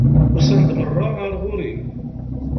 Usan-d meṛṛa ar ɣur-i!